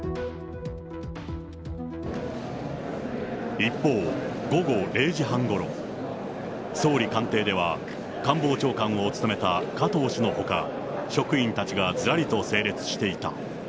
一方、午後０時半ごろ、総理官邸では、官房長官を務めた加藤氏のほか、職員たちがずらりと整列していた。